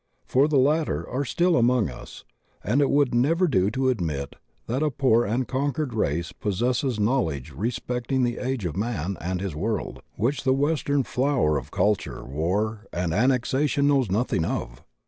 For the latter are still among us^ and it woidd never do to admit that a poor and conquered race possesses knowledge respecting the age of man and his world which the western flower of culture, war, and annexation knows nothing of.